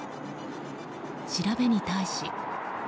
調べに対し。